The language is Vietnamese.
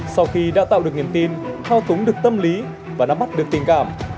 sau khi đã tạo được niềm tin thao túng được tâm lý và nắm bắt được tình cảm